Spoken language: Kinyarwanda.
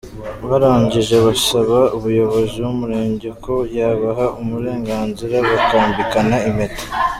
barangije basaba umuyobozi w’umurenge ko yabaha uburenganzira bakambikana impeta.